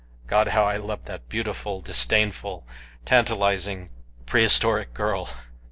God, how I loved that beautiful, disdainful, tantalizing, prehistoric girl!